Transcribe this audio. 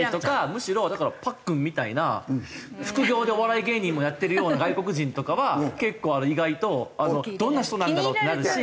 むしろだからパックンみたいな副業でお笑い芸人もやってるような外国人とかは結構意外とどんな人なんだろうってなるし。